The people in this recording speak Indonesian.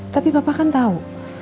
tapi papa kan tau